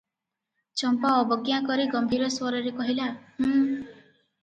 ଚମ୍ପା ଅବଜ୍ଞା କରି ଗମ୍ଭୀର ସ୍ୱରରେ କହିଲା, "ହୁଁ" ।